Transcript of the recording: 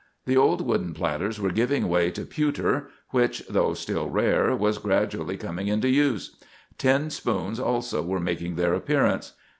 The old wooden platters were giving way to pewter, which, though still rare, was gradually coming into use. Tin spoons also were making their appearance.